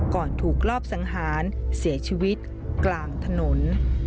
ก่อนถูกรอบสังหารเสียชีวิตกลางถนน